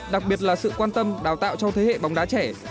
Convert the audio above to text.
đặc biệt là sự quan tâm đào tạo cho thế hệ bóng đá trẻ